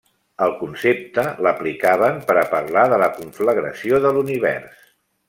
El concepte l'aplicaven per a parlar de la conflagració de l'univers.